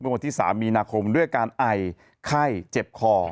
วันที่๓มีนาคมด้วยการไอไข้เจ็บคอ